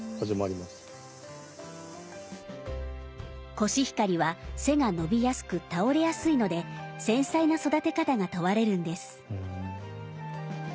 コシヒカリは背が伸びやすく倒れやすいので繊細な育て方が問われるんです。